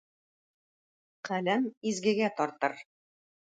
Каләм изгегә тартыр.